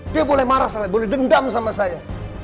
dia boleh marah sama saya boleh dendam sama saya